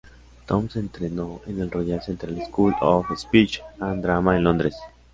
Tom se entrenó en el "Royal Central School of Speech and Drama" en Londres.